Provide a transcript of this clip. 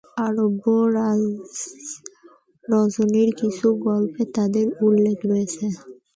আরব্য রজনীর কিছু গল্পে তাদের উল্লেখ রয়েছে।